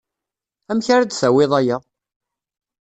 Amek ara d-tawiḍ aya?